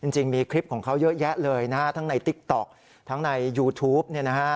จริงมีคลิปของเขาเยอะแยะเลยนะฮะทั้งในติ๊กต๊อกทั้งในยูทูป